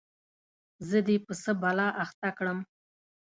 زه دي په څه بلا اخته کړم ؟